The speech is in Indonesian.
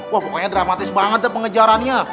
wah pokoknya dramatis banget deh pengejarannya